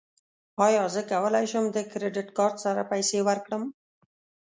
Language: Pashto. ایا زه کولی شم د کریډیټ کارت سره پیسې ورکړم؟